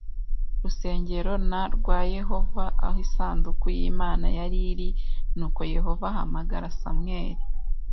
rusengero n rwa Yehova aho isanduku y Imana yari iri Nuko Yehova ahamagara Samweli